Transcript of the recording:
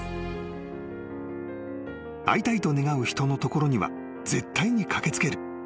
［会いたいと願う人のところには絶対に駆け付ける］